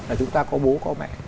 là chúng ta có bố có mẹ